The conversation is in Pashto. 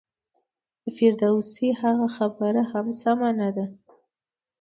د فردوسي هغه خبره هم سمه نه ده.